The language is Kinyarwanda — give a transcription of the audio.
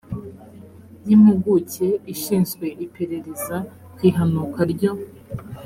y impuguke ishinzwe iperereza ku ihanuka ryo